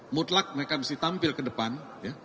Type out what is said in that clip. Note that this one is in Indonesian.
mutlak mereka bisa tampil ke depan ya